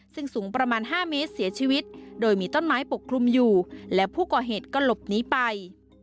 ซึ่งสูงประมาณ๕เมตรเสียชีวิตโดยมีต้นไม้ปกคลุมอยู่และผู้ก่อเหตุก็หลบหนีไป